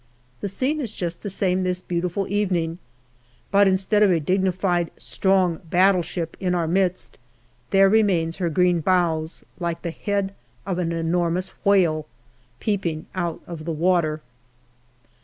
The scene is just the same this beautiful evening, but instead of a dignified, strong battleship in our midst, there remains her green bows, like the head of an enormous whale, peeping out of the water.